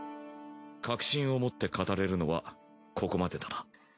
確信を持って語れるのはここまでだな。